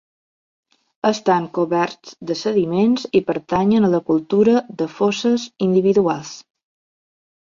Estan coberts de sediments i pertanyen a la Cultura de fosses individuals.